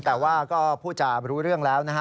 แต่ว่าก็พูดจารู้เรื่องแล้วนะฮะ